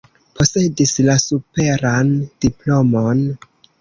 Posedis la superan diplomon.